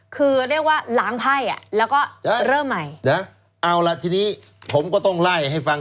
คือเรียกว่าล้างไพ่อ่ะแล้วก็เริ่มใหม่นะเอาล่ะทีนี้ผมก็ต้องไล่ให้ฟัง